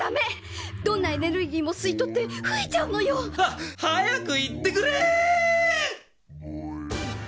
どんなエネルギーもすいとってふえちゃうのよ！ははやくいってくれ！